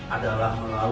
adalah kemampuan kita